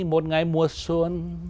một ngày mùa xuân